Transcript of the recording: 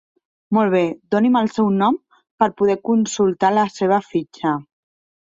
Molt bé, doni'm el seu nom per poder consultar la seva fitxa.